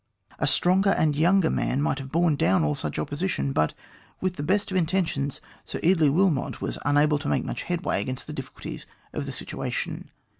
A stronger and younger man might have borne down all such opposition, but, with the best of intentions, Sir Eardley Wilmot was unable to make much headway against the difficulties of the situation.